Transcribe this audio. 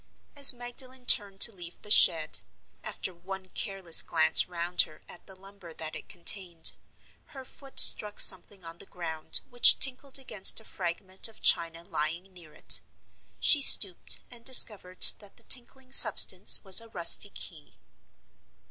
As Magdalen turned to leave the shed, after one careless glance round her at the lumber that it contained, her foot struck something on the ground which tinkled against a fragment of china lying near it. She stooped, and discovered that the tinkling substance was a rusty key.